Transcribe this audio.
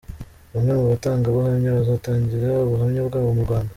Bamwe mu batangabuhamya bazatangira ubuhamya bwabo mu Rwanda.